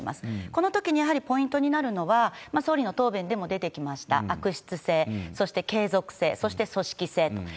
このときに、やはりポイントになるのは、総理の答弁でも出てきました、悪質性、そして継続性、そして組織性と。